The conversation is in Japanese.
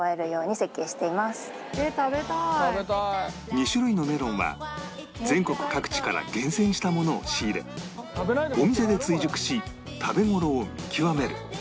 ２種類のメロンは全国各地から厳選したものを仕入れお店で追熟し食べ頃を見極める